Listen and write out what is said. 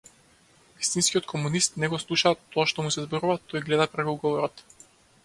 Вистинскиот комунист не го слуша тоа што му се зборува, тој гледа преку говорот.